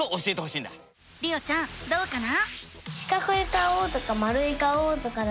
りおちゃんどうかな？